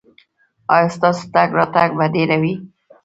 ایا ستاسو تګ راتګ به ډیر وي؟